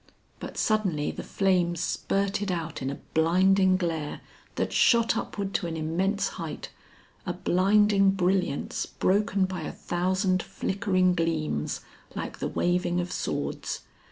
But suddenly the flames spurted out in a blinding glare that shot upward to an immense height, a blinding brilliance broken by a thousand flickering gleams like the waving of swords.